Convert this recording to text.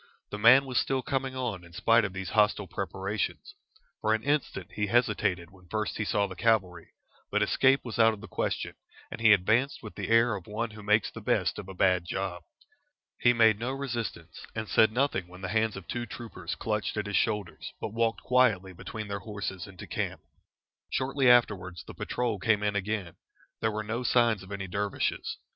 The man was still coming on in spite of these hostile preparations. For an instant he hesitated when first he saw the cavalry, but escape was out of the question, and he advanced with the air of one who makes the best of a bad job. He made no resistance, and said nothing when the hands of two troopers clutched at his shoulders, but walked quietly between their horses into camp. Shortly afterwards the patrol came in again. There were no signs of any dervishes.